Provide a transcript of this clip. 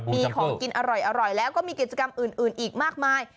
มีของกินอร่อยแล้วก็มีกิจกรรมอื่นอีกมากมาย